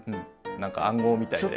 何か暗号みたいで。